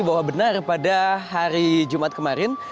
bahwa benar pada hari jumat kemarin